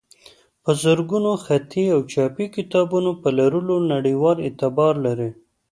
د زرګونو خطي او چاپي کتابونو په لرلو نړیوال اعتبار لري.